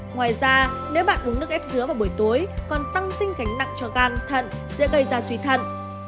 ngoài ra nếu bạn uống nước ép dứa vào buổi tối còn tăng sinh gánh nặng cho gan thận dễ gây da suy thận